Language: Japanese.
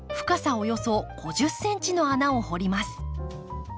およそ５０ｃｍの穴を掘ります。